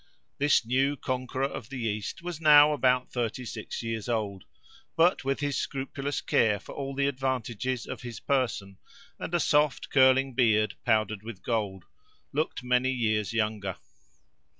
This new conqueror of the East was now about thirty six years old, but with his scrupulous care for all the advantages of his person, and a soft curling beard powdered with gold, looked many years younger.